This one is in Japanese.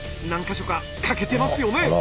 何か所か欠けてますよね。